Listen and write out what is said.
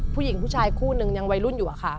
เพียงผู้ชายคู่นึงยังไว้รุ่นอยู่อะค่ะ